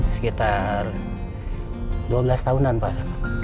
sekitar dua belas tahunan pak